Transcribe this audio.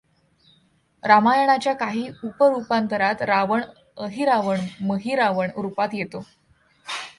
रामायणाच्या काही उप रूपांतरांत रावण अहिरावण महिरावण रूपात येतो.